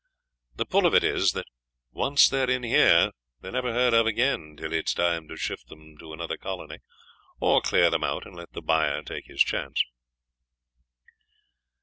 The pull of it is that once they're in here they're never heard of again till it's time to shift them to another colony, or clear them out and let the buyer take his chance.'